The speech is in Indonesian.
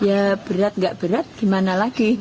ya berat nggak berat gimana lagi